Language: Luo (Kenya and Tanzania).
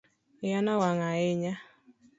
Iya no wang' ahinya